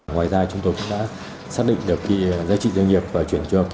ngoài ra chúng tôi cũng đã xác định được giá trị doanh nghiệp và chuyển cho kiểm tra